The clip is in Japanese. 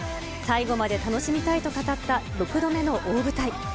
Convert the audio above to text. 最後まで楽しみたいと語った６度目の大舞台。